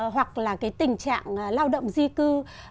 hoặc là tình trạng lao động di cư